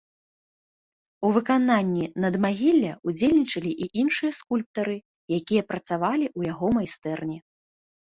У выкананні надмагілля ўдзельнічалі і іншыя скульптары, якія працавалі ў яго майстэрні.